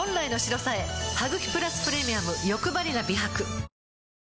「ハグキプラスプレミアムよくばりな美白」